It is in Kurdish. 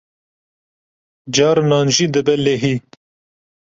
Carinan jî dibe lehî.